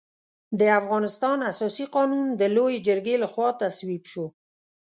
د افغانستان اساسي قانون د لويې جرګې له خوا تصویب شو.